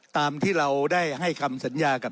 ตามที่เราได้ให้คำสัญญากับ